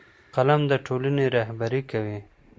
قلم د ټولنې رهبري کوي